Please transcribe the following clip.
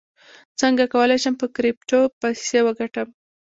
څنګه کولی شم په کریپټو پیسې وګټم